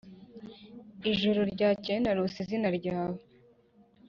ijoro ryakeye narose izina ryawe;